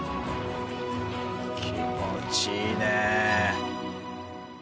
気持ちいいね！